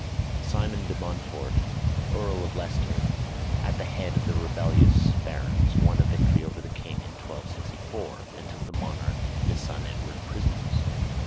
Simon de Montfort, Earl of Leicester, at the head of the rebellious barons, won a victory over the king in 1264, and took the monarch and his son Edward prisoners.